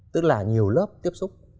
tức là nhiều lớp tiếp xúc